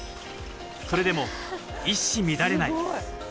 それでも一糸乱れぬ動き。